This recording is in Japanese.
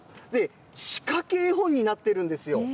仕掛け絵本になってるんですよ。